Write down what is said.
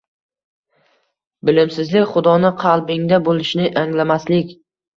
Bilimsizlik, xudoni qalbingda boʻlishini anglamaslik